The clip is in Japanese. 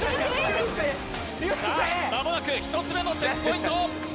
リュウセイさあまもなく１つ目のチェックポイント！